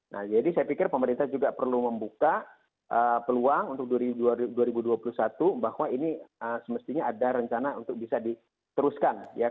nah jadi saya pikir pemerintah juga perlu membuka peluang untuk dua ribu dua puluh satu bahwa ini semestinya ada rencana untuk bisa diteruskan ya